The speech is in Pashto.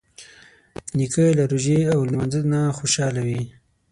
نیکه له روژې او لمانځه نه خوشحاله وي.